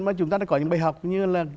mà chúng ta đã có những bài học như là